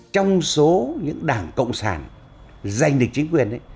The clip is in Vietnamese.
trong số những đảng cộng sản giành được chính quyền